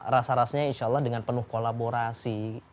rasa rasanya insya allah dengan penuh kolaborasi